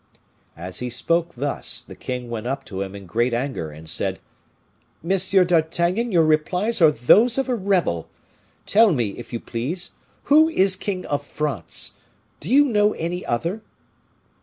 As he spoke thus, the king went up to him in great anger, and said, "Monsieur d'Artagnan, your replies are those of a rebel! Tell me, if you please, who is king of France? Do you know any other?"